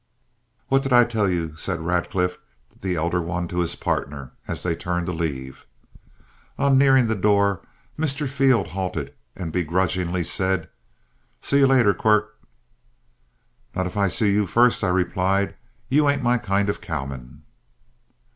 "What did I tell you?" said Radcliff, the elder one, to his partner, as they turned to leave. On nearing the door, Mr. Field halted and begrudgingly said, "See you later, Quirk." "Not if I see you first," I replied; "you ain't my kind of cowmen."